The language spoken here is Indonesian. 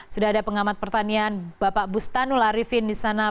sudah ada pengamat pertanian bapak bustanul arifin di sana